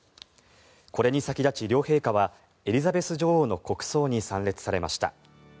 これに先立ち、両陛下はエリザベス女王の国葬に参列されました。